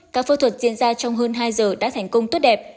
các phẫu thuật diễn ra trong hơn hai giờ đã thành công tốt đẹp